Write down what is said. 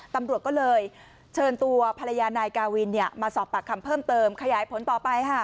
ตำรวจก็เลยเชิญตัวภรรยานายกาวินมาสอบปากคำเพิ่มเติมขยายผลต่อไปค่ะ